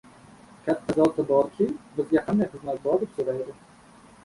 Katta zoti borki, bizga qanday xizmat bor, deb so‘raydi.